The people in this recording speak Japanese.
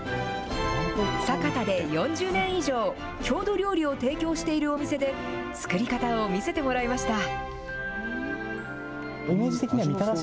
酒田で４０年以上、郷土料理を提供しているお店で、作り方を見せてもらいました。